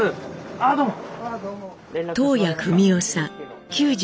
ああどうも。